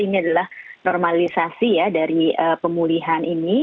ini adalah normalisasi ya dari pemulihan ini